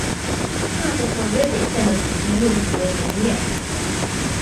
大部分威北县的土地用途为农业。